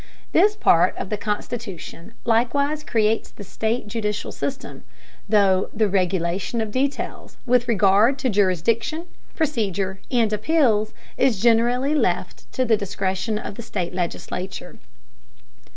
This part of the constitution likewise creates the state judicial system, though the regulation of details with regard to jurisdiction, procedure, and appeals is generally left to the discretion of the state legislature.